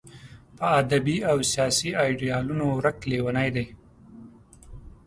په ادبي او سیاسي ایډیالونو ورک لېونی دی.